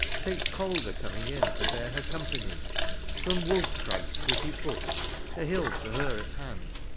Takes Caldor coming in, to bear her company. From JVoolfcratjs cliffy foot, a Hill to her at hand.